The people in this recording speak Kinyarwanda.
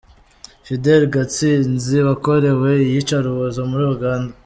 Fidele Gatsinzi wakorewe iyica rubozo muri Uganda